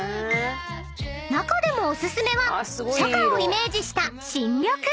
［中でもお薦めは初夏をイメージした］